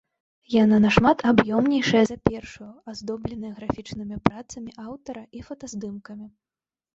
Яна нашмат аб'ёмнейшая за першую, аздобленая графічнымі працамі аўтара і фотаздымкамі.